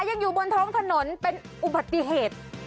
ยังอยู่บนท้องถนนเป็นอุบัติเหตุ